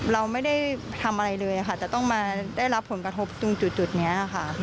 เราไม่ได้ทำอะไรเลยต้องมารับโปรดประทบตรงจุดอย่างนี้